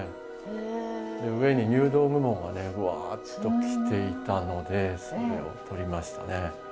上に入道雲がねぶわっと来ていたのでそれを撮りましたね。